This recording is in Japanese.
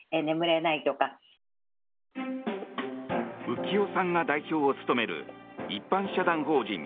浮世さんが代表を務める一般社団法人